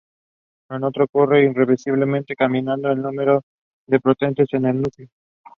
He was buried in the nearby Derbyshire town of Bakewell.